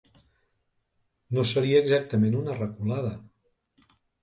No seria exactament una reculada.